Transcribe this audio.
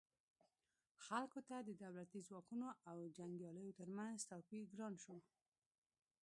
خلکو ته د دولتي ځواکونو او جنګیالیو ترمنځ توپیر ګران شو.